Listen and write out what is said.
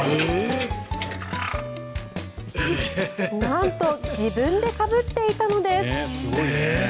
なんと自分でかぶっていたんです。